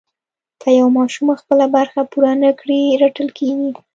که یو ماشوم خپله برخه پوره نه کړي رټل کېږي.